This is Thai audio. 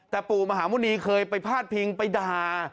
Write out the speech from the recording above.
แต่ปู่มหาหมุณีเคยไปพาดพิงไปด่า